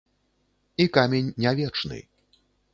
І камень не вечны.